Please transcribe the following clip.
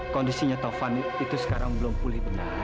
kondisinya tovan itu sekarang belum pulih benar